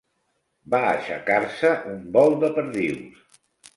Va aixecar-se un vol de perdius.